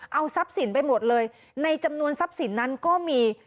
เอาทรัพย์สินไปหมดเลยในจำนวนทรัพย์สินนั้นก็มี